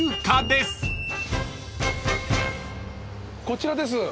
こちらです。